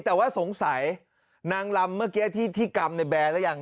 แต่ว่าสงสัยนางลำเมื่อกี้ที่กำในแบร์หรือยัง